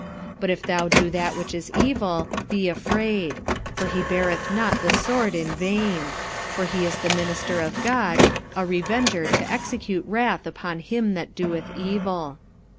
But if thou do that which is evil, be afraid; for he beareth not the sword in vain: for he is the minister of God, a revenger to execute wrath upon him that doeth evil.